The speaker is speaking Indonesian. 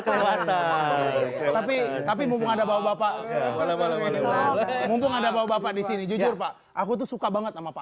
kelewatan tapi tapi ada bapak bapak ada bapak bapak di sini jujur pak aku tuh suka banget sama pak